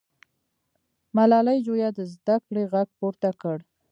ملالۍ جویا د زده کړې غږ پورته کړ.